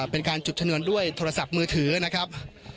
เป็นการจุดชนวนด้วยโทรศัพท์มือถือนะครับ